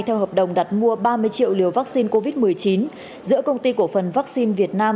theo hợp đồng đặt mua ba mươi triệu liều vaccine covid một mươi chín giữa công ty cổ phần vaccine việt nam